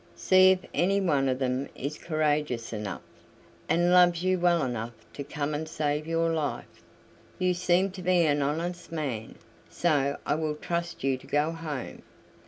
See if any one of them is courageous enough, and loves you well enough to come and save your life. You seem to be an honest man, so I will trust you to go home.